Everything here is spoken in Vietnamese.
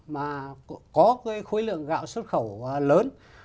mà có cái khối lượng gạo xuất khẩu lớn